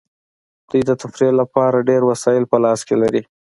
دوی د تفریح لپاره ډیر وسایل په لاس کې لري